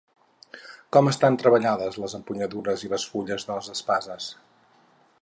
Com estan treballades les empunyadures i les fulles de les espases?